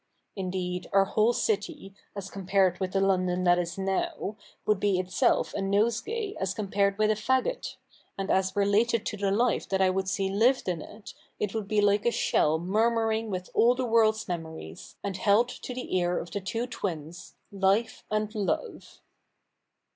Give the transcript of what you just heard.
Indeed, our whole city, as compared with the London that is now, would be itself a nosegay as compared with a faggot ; and as related to the life that I would see lived in it, it would be like a shell murmuring with all the world's memories, and held to the ear of the two twins. Life and Love.'